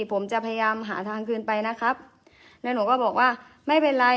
ผมจะพยายามหาทางคืนไปนะครับแล้วหนูก็บอกว่าไม่เป็นไร